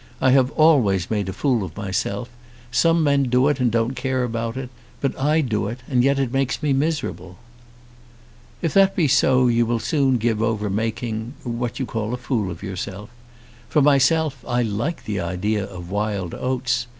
I have always made a fool of myself. Some men do it and don't care about it. But I do it, and yet it makes me miserable." "If that be so you will soon give over making what you call a fool of yourself. For myself I like the idea of wild oats.